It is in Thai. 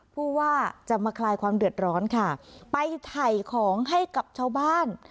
ผู้ว่าจะมาคลายความเดือดร้อนค่ะไปถ่ายของให้กับชาวบ้าน